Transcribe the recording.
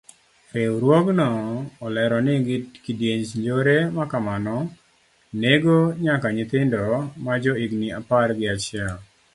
Riwruogno olero ni kidienj njore makamano nego nyaka nyithindo majo higni apar gi achiel.